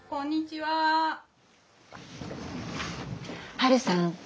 ハルさん